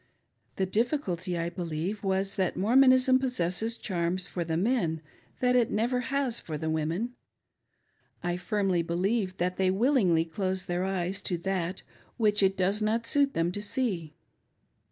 The difficulty, I believe, was that Mormonism possesses charms for the men that it never has for the women. I firmly believe that they willingly close their eyes to that which it does not suit them to see.